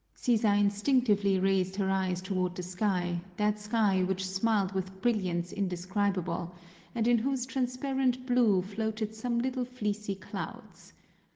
Sisa instinctively raised her eyes toward the sky, that sky which smiled with brilliance indescribable, and in whose transparent blue floated some little fleecy clouds.